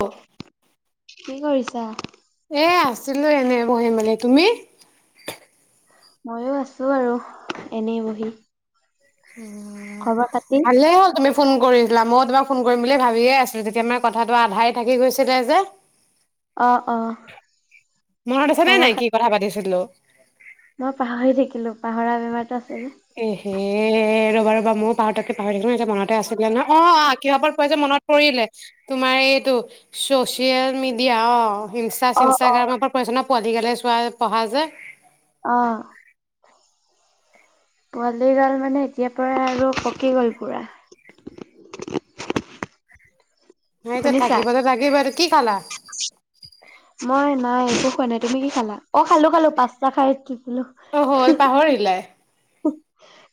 স কি কৰিছা? এ আছিলো এনে বঢ়ি মানে তুমি ময়ো আছো আৰু এনেই বহি উম খবৰ খাতি? ভালে হল তুমি ফোন কৰিছিলা ময়ো তোমাক ফোন কৰিম বুলি ভাবিয়ে আছিলো তেতিয়া মানে কথাটো আধাই থাকি গৈছিলে যে অ অ মনত আছে নে খবৰ নাই কি কথা পাতিছো হেল্ল', মই পাহৰি থাকিলো পাহৰা বেমাৰতো আ এহ্ হে ৰব বাৰু ময়ো পাতকে পাহৰি থাকিলো এতিয়া মনতে আছিলে নহ অ অ কিহত প যে মনত পৰিলে তোমাৰ এইটো ছচিয়েল মিডিয়া অঁ ইনষ্টা অ অ চিষ্টাগ্ৰামৰ পৰা পৰিচ্ছাতা পোৱালি গলে চোৱা পঢ়া যে আহ পোৱালি গাল মানে এতিয়াৰ পৰা আৰু পকি গল পুৰা এতিয়া শুনিছা? থাকিব লাগেই বাৰু কি খালা মই নাই একো খোৱা নাই তুমি কি খালা অ খালো খালো পাঁচটা খাই অ হ পাহৰিলাই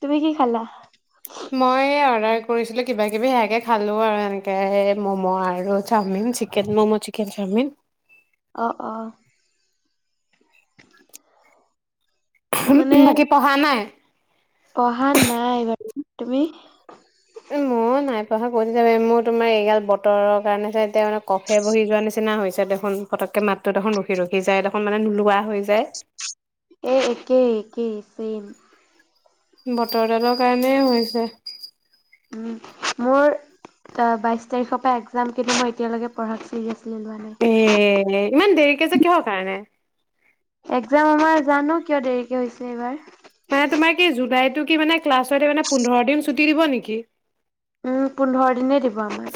তুমি কি খালা? মই অৰ্ডাৰ কৰিছিলো কিবা কিবি সেয়াকে খালো আৰু এনেকে মম' আৰু chow mein chicken momo chicken chow mein. অ অ [inaudible] মানে বাকী পঢ়া নাই পঢ়া নাই বাৰু তুমি ত কৈ মোৰ তোমাৰ এইগাল বতৰৰ কাৰণে এতিয়া মানে কফে বহি যোৱা নিচিনা হৈছে দেখোন পতককে মাতটো দেখোন ৰখি ৰখি যায় দেখোন মানে নোলোৱা হৈ যায় এক একে একেই ছেম বতৰ দালৰ কাৰণেই হৈছে মোৰ বাইশ তাৰিখৰ পৰা এক্জাম কিন্তু মই এতিয়ালকে পঢ় এ ইমান দেৰি িক যে কিহৰ কাৰণে এক্জাম আমাৰ জানো কিয় দেৰিকে হৈছে এইবাৰ মান তোমাৰ কি জুলাই কি ক্লাছোন্ধ দ ছুটি দিব নেকি উম পোন্ধৰ দিনে দিব আমাৰ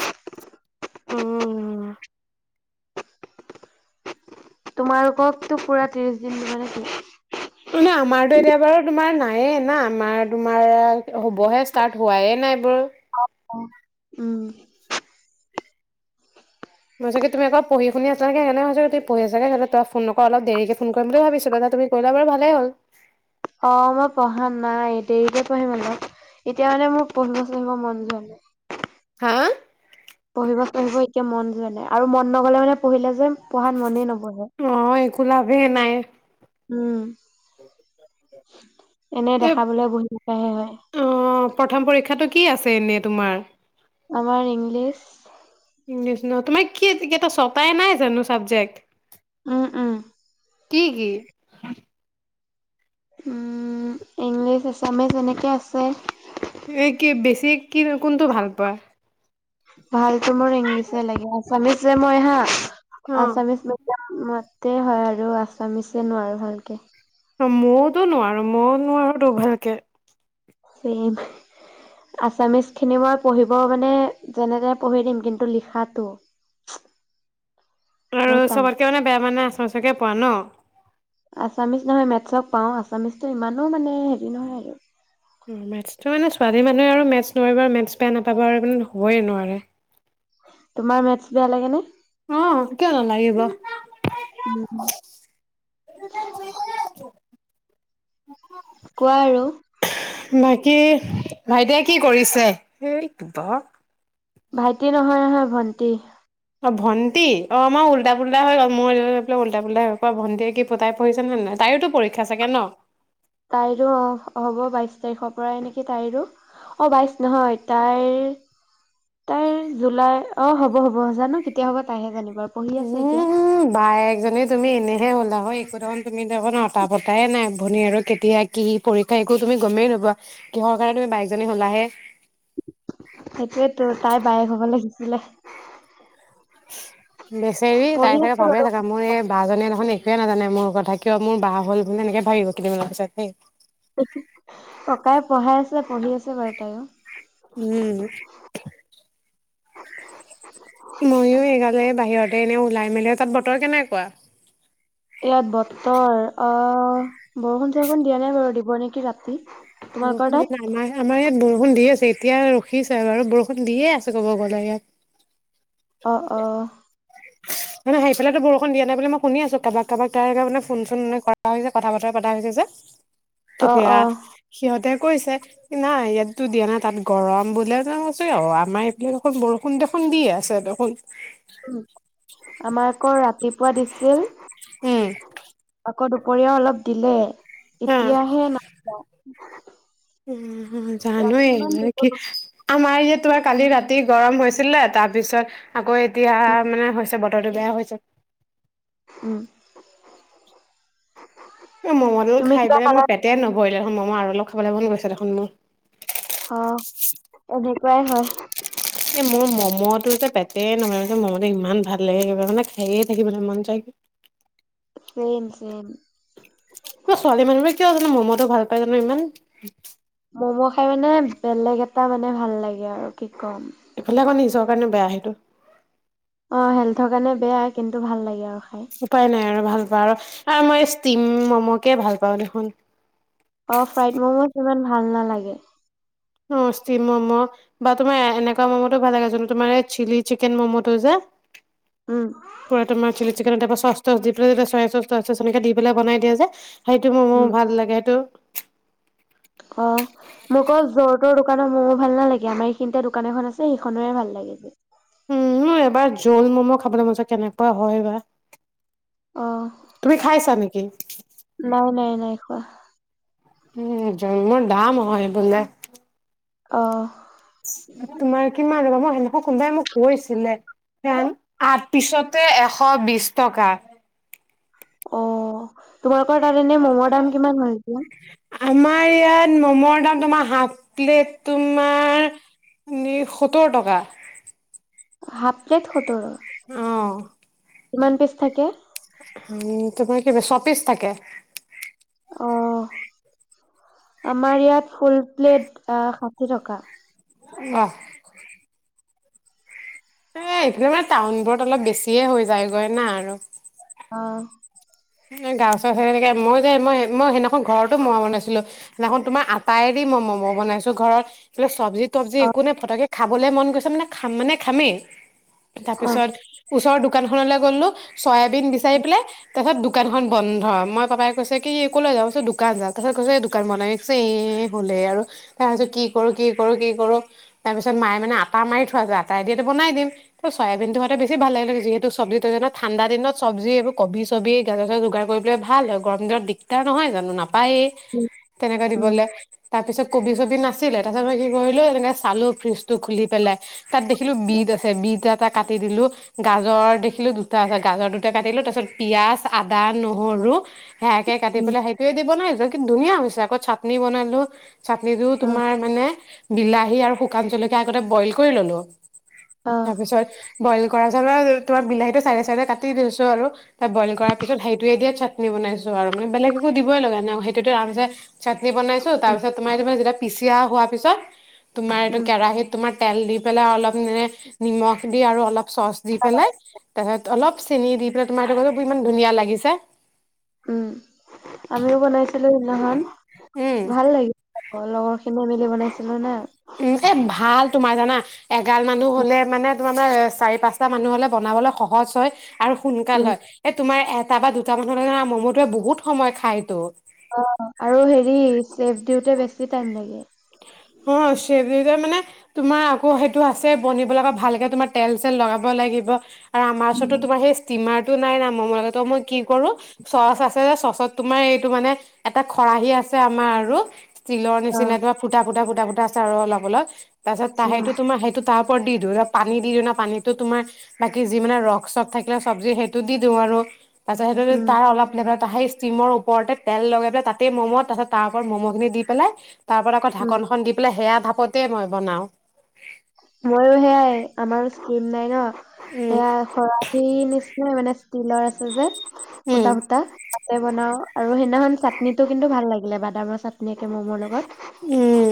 উম তোমালোকক তো পুৰা ত্ৰিশ দিন দিবানে কি আমাৰতো এতিয়া বাৰু তোমাৰ নায়ে না আমাৰ তোমাৰ হ'বহে ষ্টাৰ্ট হোৱাইে নাই বাৰু উম মই ছাগ তুমি আকৌঢি শুনি আছেনেহ হৈছে তুি পিছাগেহলে তই ফোনক অলপ দেৰিকে ফোন কৰিম বুলি ভাবিছো দাুি কৰিলো বাৰ ভালেই হ'ল অ মই পঢ়া নাই দেৰিতে পঢ়িম অান এতিয়া মানে মোৰ পঢ়িবচ আহিব মন যোৱা নাই হা পঢ়িব পঢ়িব এতিয়া মন যোৱা নাই আৰু মন নগলে মানে পঢ়িলে যে যে পঢ়াত মনেই নবঢ়ে অ' একো লাভেই নাই উম এনে এ দেখাবলৈ বহুতকাহে হয় অ' প্ৰথম পৰীক্ষাটো কি আছে এনেই তোমাৰ আমাৰ ইংলিছ ইংলিছ ন তোমাৰ কি কটা ছটাই নাই জানো চাবজেক্ট উম উম কি কি ইংলিছ এছামিছ এনেকে আছে এই কি বেছি কি কোনটো ভাল পোৱা ভালতো মোৰ ইংলিছেে লাগে আছামিচ যে মই হাঁ আছামিছ ম মতে হয় আৰু আছামিছে নোৱাৰো ভালকে ময়তো নোৱাৰো ময়ও নোৱাৰো তো ভালকে ম আছামিচ খিনি মই পঢ়িব মানে যেনে তেনে পঢ়ি দিম কিন্তু লিখাতটো আৰু চবতকে মানে বেয়া মানে আছে সচাকে পোৱা ন আছামিজ নহয় মেথছক পাওঁ আছামিজটো ইমানো মানে হেৰি নহয় আৰু অ মেথছটো মানে ছোৱালী মানুহে আৰু মেথছ নোৱাৰিব আৰু মেথছ বেয়া নাপাব আৰু মানে হ'বই নোৱাৰে তোমাৰ মেথছ বেয়া লাগে নে অ কেল ন এইব উম কোৱা আৰু ভাইটে কি কৰিছে সেই কিব ভাইটি নহয় নহয় ভন্টি অ ভটি অ মইাৰ উল্টা পো্টা হৈ গ'ল মইৈাই উল্টা পো্টা হৈ গল ভণ্টিয়ে কি পতাই পঢ়ছে নহ নাই তাইোতো পৰীক্ষা চাগে ন তাইৰো অ হ'ব বাইশ তাৰিখৰ পৰাই নেকি তাইৰো অঁ বাইচ নহয় তাইৰ তাইৰ জুলাই অ হ'ব হ'ব জানো কেতিয়া হ'ব তাইহে জানিব আৰু পঢ়ি আছে এতিয়া উম বাায় একজনী তুমি এনেহে হলা হয় একো দেখোন তুমি দেখোনটা পতাইে নাই ভনী আৰু কেতিয়া কি পৰীক্ষা একো তুমি গমেই নবোৱাা কিহৰ কাৰণে তুমি বাইকজনী হ'লাহে সেইটোয়েতো তাই বায়েক হ'ব লাগিছিলে [unintelligible] বেচেৰি পঢ়ি তাই চাগে আছো ভাবেে বাৰু থাকা মোৰ এই বাাজীয়ে নহয় ন তে নাজানে মোৰ কথা কিয় মোৰ বাহ হ'ল বুলি এনেকে ভাগিব কেইদিনমানৰ পিছত সেই ককাইে পঢ়াই আছে পঢ়ি আছে বাৰু তাইও উম মইো এইগালে বাহিৰতে এনে ওলাই মেলি তাত বতৰ কেনেকুৱা ইয়াত বতৰ আহ বৰুণ চৰষণ দিয়াাইাৰু দিব নেকি ৰাতি তোমালোকৰ বৰষুণ তাত? দিনা আমাৰ আমাৰ ইয়াত বৰষুণ বৰষুণ দিিয়ে আছে এতিয়া ৰখিছে বাৰু বৰষুণ দিয়ে আছে ক'ব গ'লে ইয়াত অ অ মানে সেইফালেতো বৰষুণ দিয়া নাই বুলি মই শুনি আছো কাৰোবাক কাৰোবাক তাৰে মানে ফোন চোন মানে কৰা হৈছে কথা বতৰা পতা হৈছে যে অ তেতিয়া অ সিহঁতে কৈছে কি নাই ইয়াতো দিয়া নাই তাত গৰম বোলে কছ আমাৰ এইবিলাক দেখোন বৰষুণ দেখোন দিিয়ে আছে দেখোন আমাৰ আকৌ ৰাতিপুৱা দিছিল উম, দুপৰীয়া অলপ দিলে। এতিয়াহে নাই উ ৰাতিমান জানয়ে দিব কি আমাৰ ইয় তোমাৰ কালি ৰাতি অতি গৰম হৈছিলে তাৰ পিছত আকৌ এতিয়া উম মানে হৈছে ব টো বেয়া হৈছে উম মমতল তুমি খাই কিবা পেলাই মই খালা? পেট নভৰিলে অ মই আৰু অ লগ খাবলে মন গৈছ দেখোন মোৰ প্ৰাই হয়। মইতো যে পেট নহ মতে ইমান ভাল লাগে কিব মানে খায়ে থাকিবানে মন যায় কি চেম চেম কো ছোৱালী মানুহোৰে কিয় জানে মমত ত ভাল পাই জান ইমান ম'ম' খাই মানে বেলেগ এটা মানে ভাল লাগে আৰু কি ক'ম ইফালে আকৌ নিজৰ কাৰণে বেয়া সেইটো অ হেল্থৰ কাৰণে বেয়াই কিন্তু ভাল লাগে আৰু খাই। উপায় নাই আৰু ভাল পোৱা আৰু আৰু মই ষ্টিম মমকে ভাল পাওঁ দেখোন অ ফ্ৰাইড মমোজ ইমান ভাল নালাগে অ ষ্টিম মম' বা তোমাৰ এনেকুৱা ম'ম'টো ভাল লাগে জানো তোমাৰ চিলি চিকেন মম'টো যে উম পটম চিলি চিকন এ প চ চচ দি পেলাইয়া চৰা চ চ চনকে দি পেলাই বনাই দিয়া যে সেইটো মোৰ মোৰ উম ভাল লাগে সেইটো অ মোক জৰ তৰ দোকানৰ ময়ো ভাল নালাগে আমাৰ এইখিনতে দোকান এখন আছে সেইখনেৰে ভাল লাগে যে উম এবাৰ জোল ম'ম' খাবলৈ মজত কেনেকুৱা হয় বা অ তুমি খাইছা নেকি নাই নাই নাই খোৱা উম জ মোৰ দাম হয় বোলে অ তোমাৰ কিমান হ'ব মই তেনেোকক কোনবাই মোক কৈছিলেন আঠ পিছতে এশ বিশ টকা অ তোমাৰ এ ম'মৰ দাম কিমান হৈ হৈছে আমাৰ ইয়াত মমৰ দাম তোমাৰ হাফ প্লেট তোমাৰ সত্তৰ টকা হাফ প্লেট সোতৰ অ কিমান পিচ থাকে। উ তোমাৰ কি চ্ব পিচ থাকে আহ আমাৰ ইয়াত ফুল প্লেট ষাঠি টকা আহ এ এইফিে মানে টাউনবোৰত অলপ বেছিয়ে হৈ যায়গৈ না আৰু অ এ গাওৰনেকে মই যে মই মই সেইদিনাখন ঘৰতো ম'ম' বনাইছিলো সেইদিনাখন তোমাৰ আটাইেদি মই ম'ম' বনাইছো ঘৰত কি চব্জি তবজি অ একো নে পটককে খাবলে মন গৈছে মানে খাম মানে খামেই তাৰ অ পিছত ওচৰ দোকান খন লে গ'ল ন চয়াইবিন বিচাৰি পেলায় তাৰপাছত দো দোকানখন বন্ধ মই পাপাই কৈছে কি কলে যাওঁ পি দোকান যা তাৰপছত কৈছে দোকান বনাই এই হ'লে আৰু তাৰ পিছ কি কৰো কি কৰো কি কৰো তাৰপিছত মায়ে মে আটা মাৰি থোৱা আছে আটাই দটো বনাই দিম ত চয়াবিনটো হোৱাতে বেছি ভাল লাগিলে যিহেতু চব্জিটোত ঠাণ্ডা দিনত চব্জি এইবোৰ কবি চবি গাজ চজ যোগাৰ কৰিবলে ভাল হয় গৰম দিনত দিগদাৰ নহয় জানো নাপ পায় উম তেনেকে দিবলে তাৰপিছত কবি চবি নাছিলে তাৰ পছ মই কি কৰিলো এনেকে চালো ফ্ৰিজটো খুলি পেলাই তাত দেখিলো উম বিদ আছে বিদত এটা কাটি দিলো গাজৰ দেখিলো দুটা আ গাজৰ দুটা কাটিলো তাৰ পিছত পিয়াঁজ আদা নহৰু সেয়কে কাটি উম পাই সেইটোৱ দিব নাই যে কিু ধুনীয়া হৈছে আকৌ চাটনি বনালো চাটনিটোও অ তোমাৰ মানে বিলাহী আৰু শুকান জলকীয়া আগতে বইল কৰি ললো অ তাৰপিছত বইল গঁৰা জলৰ তোম বিলাহী টো চাইডে চাইডে কাটি দিছো আৰু তাত বইল কৰা পিতেইটোৱে দিয়ে চাটনি বাইছো আৰু মানে বেলেগ একো দিবই ল লগা ন সেইটোতে আমছে চাটনি বনাইছো উম তাৰিছত তোমাৰ ততিয়া পিচিয়া হোৱাৰ পিছত তোমাৰ এইটো উম কেৰাহী তোমাৰ তেল দি পেল অলপ নিম দি আৰু অল চচ দি পেলাই তাৰ অলপ চেনি দি পাই তোমাৰ ইমান ধুনীয়া লাগিছে উম আমিও বনাইছো হেল্ও সেইদিনা খন উম ভাল লাগিল অ লগৰ খিনি মিলি বনাইছিলো না উ এ ভাল তোমাৰ জানা এগাল মানুহ হলে মানে তোমাৰ চাৰি পাঁচটা মানুহ হলে বনাবলৈ সহজ হয় আৰু সোনকাল উম। হয় তোমাৰ এটা বা দুটা মানু ম'ম'টোৱে বহুত সময় খায়তো অ আৰু হেৰি চেফ দিওঁতে বেছি টাইম লাগে অ চেবি মানে তোমাৰ আকৌ সেইটো আছে বনিবলৈ আকৌ ভালকে তোমাৰ তেল চেল লগাব লাগিব আৰু আমাৰ ওচৰত উম। তোম সেই ষ্টিমাৰ টো নাই নাম নহ'লে তো মই কি কৰো চচ আছে চচত তোমাৰ এইটো মানে এটা খৰাহী আছে আমাৰ আৰু ইস্তিলৰ অ নিচিনা কিবা ফু গুটা গোটা গোটা আছে আৰু অলপ অলপ তাৰপছত ত উম সেইটো তোম সেইটো ত ওপৰত দি দিওঁ পানী দি দিওঁ ন পানীতো তোমাৰ বাকি যি মানে ৰস চস থাকিলে চব্জি সেইটো দি দিওঁ আৰু ত সেইটো উম ত অলপে সেই ষ্টিমৰ ওপৰতে তেল লগাই পেল তাতেই ম'ম তাৰছত তাৰপ ম'ম' খিনি দি পেলাই তাৰ উম নখনন দি পেলাই সেয়া ভাপতে মই বনাওঁ ময়ো সেয়াই আমাৰো চ্ৰীম নাই ন উম সয়া খৰাহ নিচিনা মানে তিলৰ আছে যে উম সূতা সূতা তাতে বনাও আৰু সেইদিনাখন চাটনিটো কিন্তু ভাল লাগিলে বাদামৰ চাটনি একে ম'মৰ লগত উম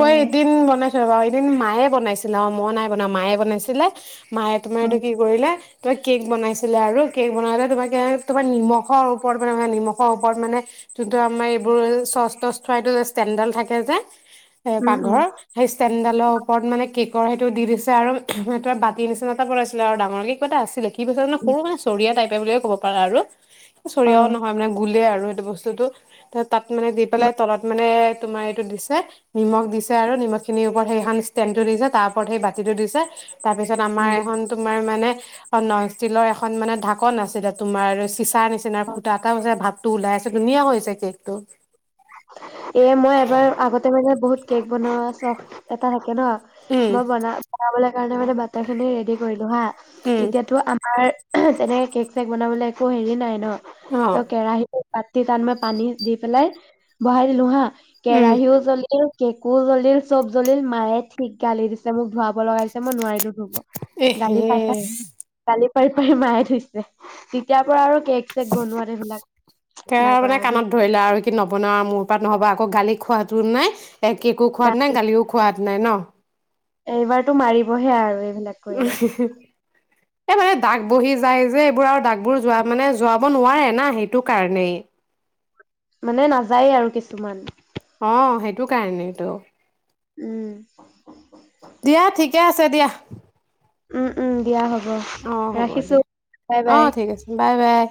এ এদিন বনাই ৰবা এদিন মায়ে বনাইছিলে অ মই নাই বনাোৱা মায়ে বনাইছিলে মায়ে তোমাৰ উম এইটো কি কৰিলে ত কেক বনাইছিলে আৰু কেক বনাওত তোমৰ কি হ'ল তোমাৰ নিমখৰ ওপৰত মানে নিমখৰ ওপৰত মানে যোনটো আমাৰ এইবোৰ চচ তচ থোৱা এইটো যষ্টেণ্ডডাল থাকে যে এ উম পাকঘৰৰ সেই ষ্টেনডালৰ ওপৰত মানে কি গ সেইটো দি দিছে আৰু ত বাতি নিচিনা এটা বনাইছিলে আৰু ডাঙৰকৈ কিবা এটা আছিলে কি কেইপিছমান উম সৰু মানে চৰিয়া টাইট বুলি‌য়ে ক'ব পাৰা আৰু অ চৰিয়াও নহয় মানে গুলে আৰু আৰু সেইটো বস্তুতো তাত মানে দি উম পেলাই তলত মানে তোমাৰ এইটো দিছে নিমখ দিছে আৰু নিমখিনিৰ ওপৰত সেইখন ষ্টেণ্ডটো দিছে তাৰ ওপৰত সেই বাতিটো দিছে তাৰপিছত উম আমাৰ এখন তোমাৰ মানে অ ন িলৰ এখন মানে ঢাকন আছিলে তোমাৰ চিচাৰ নিচিনা ফুটা এটা হৈছে ভাতটো ওলাই আছে ধুনীয়া হৈছে কেকটো এ মই এবাৰ আগতে মানে বহুত কেক বনোৱা চখ এটা থাকে ন উম মই বনা বনাবলে সেই কাৰণে মানে বটাৰ ৰেডিঅ' কৰি হা উম এতিয়াতো আম ত তেনেকে কেক চেক বনাবলৈ একো হেৰি নাই ন ত অ কেৰাহী পতি তান মই পানী দি পেলাই বহাই দিলো হা উম কেৰাহিও জ্বলিল কেকো জ্বলিল চব জ্বলিল মায়ে ঠিক গালি দিছে মোক ধুৱাব লগাই দিছে মই নোৱাৰিলো ধুব এহে গালি পাছেই গালি পাৰি পাৰি মায়ে ধুইছে তেতিয়াৰ পৰা আৰু কেক চেক বনোৱাত সেইবিলাক নাই কৰা আৰু দেই বনাৱা মোৰ পৰাত নহ'বা আকৌ গালি খোৱাটো নাই এই কেকো খোৱাত নাই দেই গালিও খোৱাত নাই ন এইবাৰতো মাৰিবহে আৰু বেলেগ কৰিলে এই মানে দাগ বহি যায় যে এইবোৰ আৰু দাগবোৰ যোৱা মানে যোৱাব নোৱাৰে না সেইটো কাৰণেই। মানে নাযায়ে আৰু কিছুমান। অঁ সেইটো কাৰণেইটো। উম। দিয়া ঠিকে আছে দিয়া। উম উম দিয়া হ'ব অ হ'ব ৰাখিছো দিয়া বাই অ বাই। ঠিক আছে বাই বাই